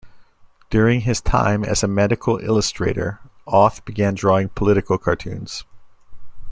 During his time as a medical illustrator, Auth began drawing political cartoons.